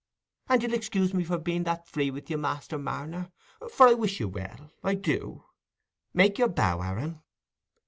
And you'll excuse me being that free with you, Master Marner, for I wish you well—I do. Make your bow, Aaron."